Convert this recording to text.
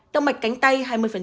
động mạch cánh tay hai mươi